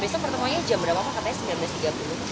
besok pertemuannya jam berapa pak katanya sembilan belas tiga puluh